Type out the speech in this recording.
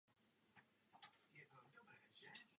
Byl synem pekaře z Hory Svaté Kateřiny v Krušných horách.